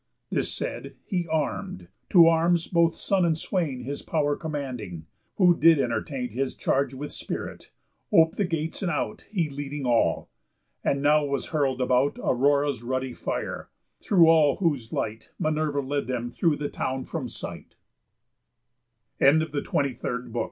This said, he arm'd; to arms both son and swain His pow'r commanding, who did entertain His charge with spirit, op'd the gates and out, He leading all. And now was hurl'd about Aurora's ruddy fire; through all whose light Minerva led them through the town from sight. THE END OF THE TWENTY THIRD BO